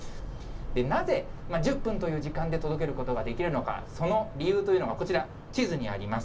なぜ、１０分という時間で届けることができるのか、その理由というのがこちら、地図にあります。